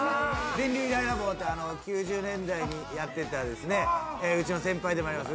電流イライラ棒って９０年代にやってた、うちの先輩でもあります